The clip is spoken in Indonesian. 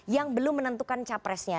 yang belum menentukan capresnya